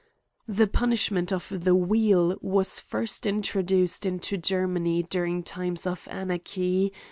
The punishment of the wheels was first intro duced into Germany during times of anarchy.